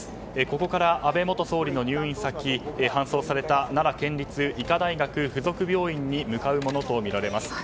ここから安倍元総理の入院先搬送された奈良県立医科大学附属病院に向かうものとみられます。